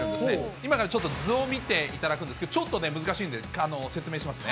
今からちょっと図を見ていただくんですけど、ちょっと難しいんで説明しますね。